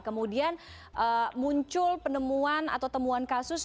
kemudian muncul penemuan atau temuan kasus